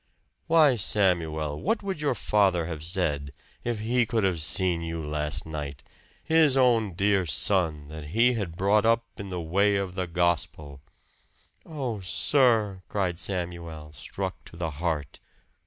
Why Samuel, what would your father have said, if he could have seen you last night his own dear son, that he had brought up in the way of the Gospel?" "Oh, sir!" cried Samuel, struck to the heart.